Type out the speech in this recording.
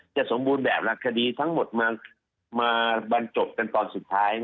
สมบูรณ์แบบละคดีทั้งหมดมาบรรจบกันตอนสุดท้าย